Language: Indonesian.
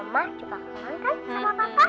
ma juga kangen kan sama papa